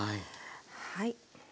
はい。